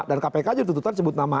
dan kpk juga tentu tentu sebut nama